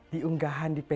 di unggahan di facebook